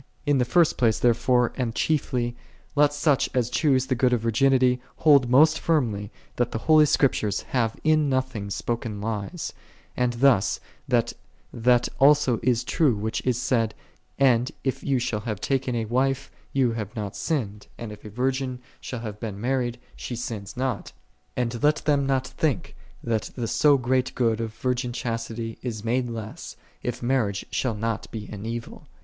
In the first place, therefore, and chiefly, let such as choose the good of vir ginity, hold most firmly that the holy Script ures have in nothing spoken lies; and, thus, that that also is true which is said, "And if thou shalt have taken a wife, thou hast not sinned; and, if a virgin shall have been mar ried, she sinneth not." And let them not think that the so great good of virgin chastity is made less, if marriage shall not be an evil.